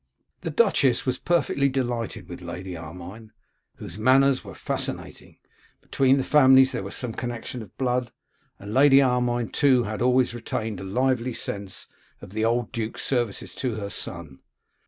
The duchess was perfectly delighted with Lady Armine, whose manners were fascinating; between the families there was some connection of blood, and Lady Armine, too, had always retained a lively sense of the old duke's services to her son.